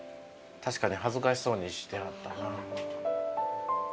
確かに恥ずかしそうにしてはったな。